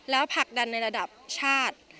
แล้วผลักดันในระดับชาติ